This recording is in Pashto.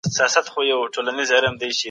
نوي پوهیالي باید د قاضي عبدالودود وینا واوري.